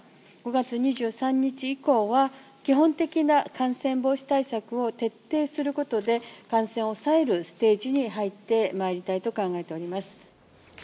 ５月２３日以降は、基本的な感染防止対策を徹底することで、感染を抑えるステージに入ってまいりたいと考えております。